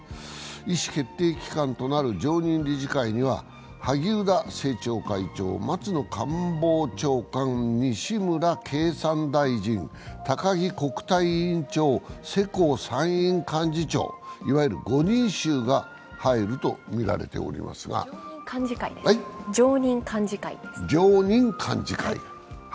意思決定機関となる常任幹事会には萩生田政調会長、松野官房長官、西村経産大臣、高木国対委員長、世耕参院幹事長、いわゆる５人衆が入るとみられますが常任幹事会。